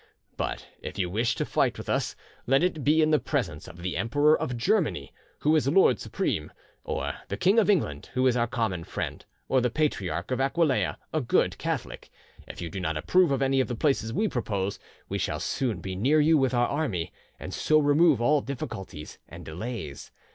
But if you wish to fight with us, let it be in the presence of the Emperor of Germany, who is lord supreme, or the King of England, who is our common friend, or the Patriarch of Aquilea, a good Catholic. If you do not approve of any of the places we propose, we shall soon be near you with our army, and so remove all difficulties and delays.